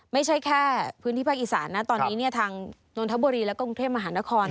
ไม่ใช่แค่พื้นที่ภาคอีสานนะตอนนี้ทางนนทบุรีแล้วก็กรุงเทพมหานคร